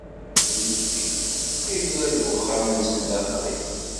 Mi iεedda yinifif-nni, yegra-d uxxam-nsen d axrib.